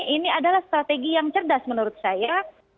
ini adalah strategi yang cerdas menurut saya